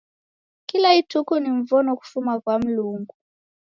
Kila ituku ni mvono kufuma kwa Mlungu.